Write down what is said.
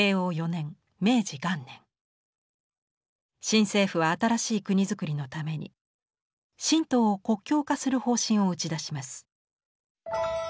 新政府は新しい国造りのために神道を国教化する方針を打ち出します。